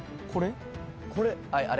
これ？